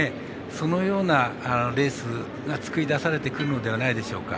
そのようなレースが作り出されてくるのではないでしょうか。